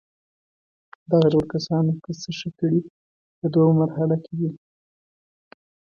دغه ډول کسانو که څه ښه کړي په دوهمه مرحله کې دي.